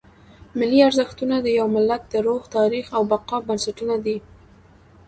ملي ارزښتونه د یو ملت د روح، تاریخ او بقا بنسټونه دي.